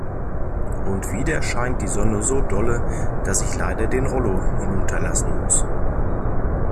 Und wieder scheint die Sonne so dolle, dass ich leider den Rollo hinunterlassen muss.